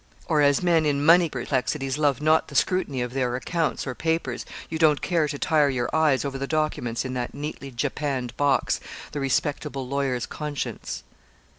or as men in money perplexities love not the scrutiny of their accounts or papers, you don't care to tire your eyes over the documents in that neatly japanned box, the respectable lawyer's conscience?